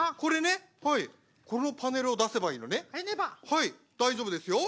はい大丈夫ですよ。